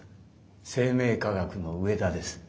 生命科学の上田です。